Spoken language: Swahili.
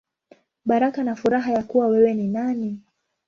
Baraka na Furaha Ya Kuwa Wewe Ni Nani.